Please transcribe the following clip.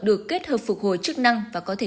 được kết hợp phục hồi chức năng và có thể